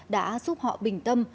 đã giúp họ bình tâm